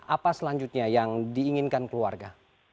apa selanjutnya yang diinginkan keluarga